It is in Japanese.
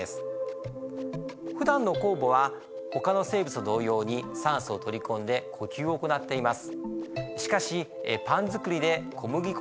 ふだんの酵母はほかの生物と同様に酸素を取り込んで呼吸を行っています。